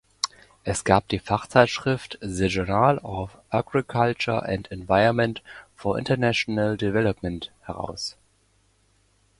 Es gab die Fachzeitschrift "The Journal of Agriculture and Environment for International Development" heraus.